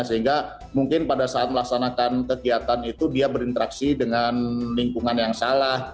sehingga mungkin pada saat melaksanakan kegiatan itu dia berinteraksi dengan lingkungan yang salah